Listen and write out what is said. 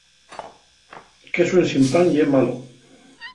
Quesu ensin pan ye malo.